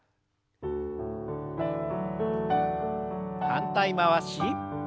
反対回し。